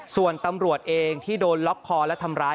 ส่วนตำรวจเองที่โดนล็อกคอและทำร้าย